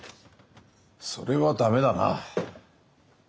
それは駄目だな。